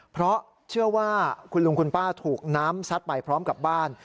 เพราะเชื่อว่าคุณลุงคุณป้าถูกน้ำซัดไปพร้อมกับบ้าน